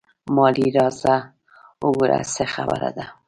مالې راځه وګوره څه خبره ده.